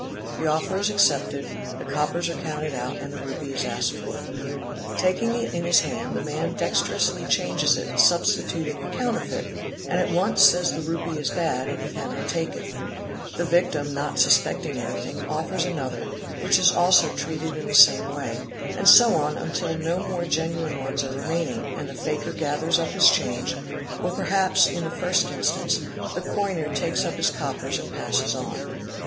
The offer is accep 'e The coppers are counted out and the rupee is asked for. Taking it | COINING : 793 his hand the man dexterously changes it, substituting a counterfeit, and at once says the rupee is bad and he cannot take it; the victim, not sus: _ pecting anything, offers another, which is also treated in the same way, and so on until no more genuine ones are remaining, and the fakir gathers up his change, or perhaps, in the first instance, the coiner takes up his coppers and passes on.